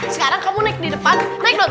sekarang kamu naik di depan naik dong